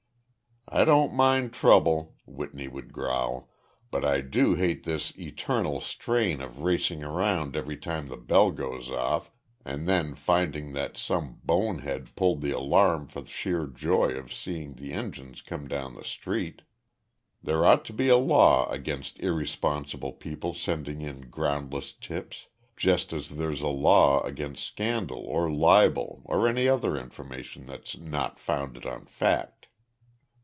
"I don't mind trouble," Whitney would growl, "but I do hate this eternal strain of racing around every time the bell goes off and then finding that some bonehead pulled the alarm for the sheer joy of seeing the engines come down the street. There ought to be a law against irresponsible people sending in groundless 'tips' just as there's a law against scandal or libel or any other information that's not founded on fact."